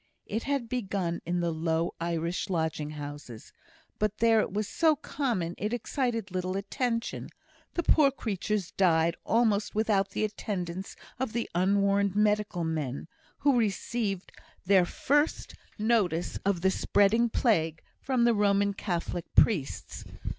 It had begun in the low Irish lodging houses; but there it was so common it excited little attention. The poor creatures died almost without the attendance of the unwarned medical men, who received their first notice of the spreading plague from the Roman Catholic priests.